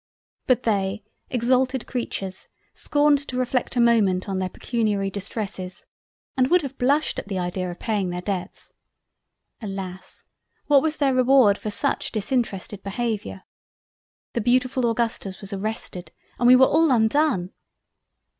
But they, Exalted Creatures! scorned to reflect a moment on their pecuniary Distresses and would have blushed at the idea of paying their Debts.—Alas! what was their Reward for such disinterested Behaviour! The beautifull Augustus was arrested and we were all undone.